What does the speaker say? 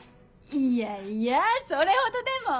いやいやそれほどでも！